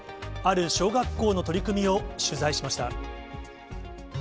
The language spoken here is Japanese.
ある小学校の取り組みを取材しました。